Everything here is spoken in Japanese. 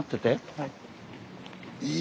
はい。